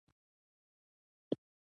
مور دې نه شي پر تا بورې.